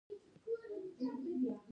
کندهار د افغان ښځو په ژوند کې رول لري.